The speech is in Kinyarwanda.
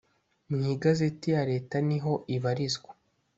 mu igazeti ya leta niho ibarizwa.